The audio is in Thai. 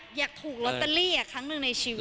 คืออยากถูกรัวละเตอรี่อะครั้งหนึ่งในชีวิต